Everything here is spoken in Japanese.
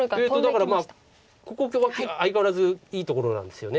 だからここは相変わらずいいところなんですよね。